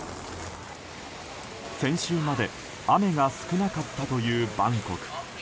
先週まで雨が少なかったというバンコク。